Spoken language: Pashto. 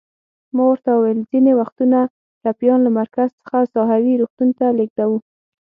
ما ورته وویل: ځینې وختونه ټپیان له مرکز څخه ساحوي روغتون ته لېږدوو.